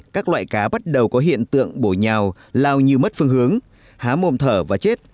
các loại cá bắt đầu có hiện tượng bổ nhào lao như mất phương hướng há môn thở và chết